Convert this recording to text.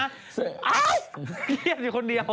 อ้าวเปรี้ยงอยู่คนเดียว